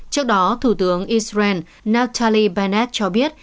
trước đó thủ tướng israel natali bennett cho biết